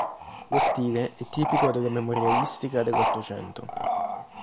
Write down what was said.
Lo stile è tipico della memorialistica dell'Ottocento.